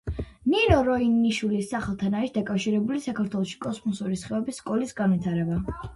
ნინო როინიშვილის სახელთან არის დაკავშირებული საქართველოში კოსმოსური სხივების სკოლის განვითარება.